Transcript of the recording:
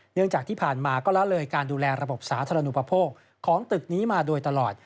เนื่องจากที่ผ่านมาก็ละเลยการดูแลระบบสาธารณูปโภคของตึกนี้มาโดยตลอด